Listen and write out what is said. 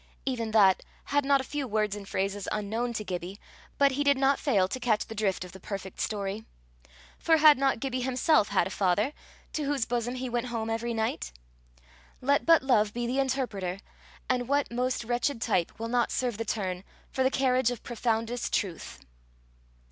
Even that had not a few words and phrases unknown to Gibbie, but he did not fail to catch the drift of the perfect story. For had not Gibbie himself had a father, to whose bosom he went home every night? Let but love be the interpreter, and what most wretched type will not serve the turn for the carriage of profoundest truth!